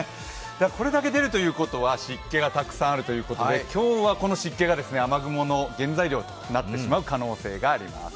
これだけ出るということは湿気がたくさんあるということで今日はこの湿気が雨雲の原材料となってしまう可能性があります。